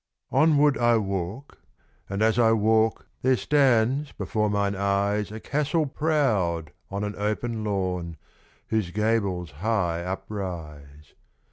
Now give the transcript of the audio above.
Onward I walk, and as I walk, There stands before mine eyes A castle proud on an open lawn, Whose gables high uprise.